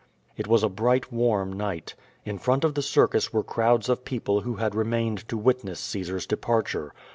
It was a bright, warm night. In front of the circus were crowds of people who had remained to witness Caesar's de parture.